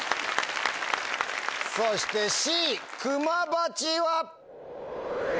そしてＣ「クマバチ」は？